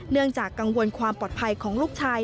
เนื่องจากกังวลความปลอดภัยของลูกชาย